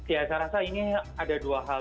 ya saya rasa ini ada dua hal